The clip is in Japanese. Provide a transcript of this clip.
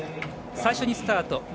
最初にスタート。